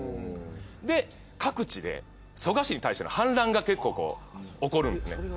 で各地で蘇我氏に対しての反乱が結構こう起こるんですね。